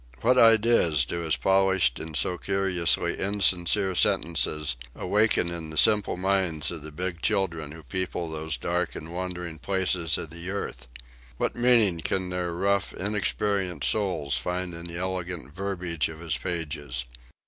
What ideas do his polished and so curiously insincere sentences awaken in the simple minds of the big children who people those dark and wandering places of the earth? What meaning can their rough, inexperienced souls find in the elegant verbiage of his pages?